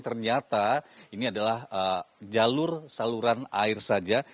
ternyata ini adalah jalur saluran air saja